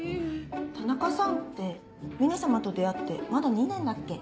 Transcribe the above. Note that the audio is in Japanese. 田中さんって峰様と出会ってまだ２年だっけ？